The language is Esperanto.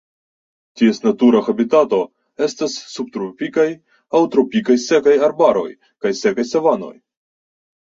Ties natura habitato estas subtropikaj aŭ tropikaj sekaj arbaroj kaj sekaj savanoj.